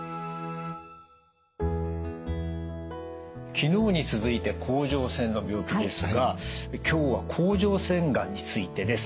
昨日に続いて甲状腺の病気ですが今日は甲状腺がんについてです。